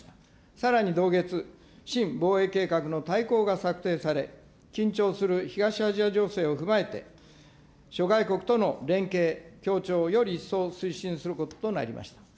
さらに同月、新防衛計画の大綱が策定され、緊張する東アジア情勢を踏まえて、諸外国との連携、協調をより一層推進することとなりました。